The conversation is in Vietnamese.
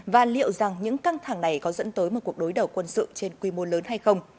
và liệu rằng những căng thẳng này có dẫn tới một cuộc đối đầu quân sự trên quy mô lớn hay không